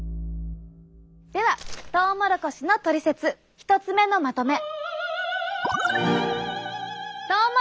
ではトウモロコシのトリセツ１つ目のまとめ。